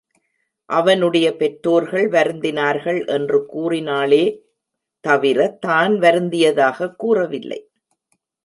அவனுடைய பெற்றோர்கள் வருந்தினார்கள் என்று கூறினாளே தவிரத் தான் வருந்தியதாகக் கூறவில்லை.